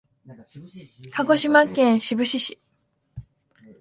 鹿児島県志布志市